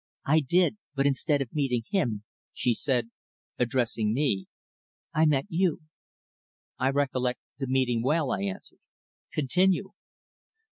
I did, but instead of meeting him," she said, addressing me, "I met you." "I recollect the meeting well," I answered. "Continue."